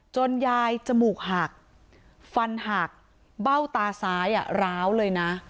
ยายจมูกหักฟันหักเบ้าตาซ้ายร้าวเลยนะ